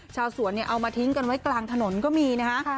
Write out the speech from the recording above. ชาวสวนเนี่ยเอามาทิ้งกันไว้กลางถนนก็มีนะฮะ